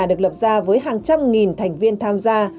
được lập ra với hàng trăm nghìn thành viên tham gia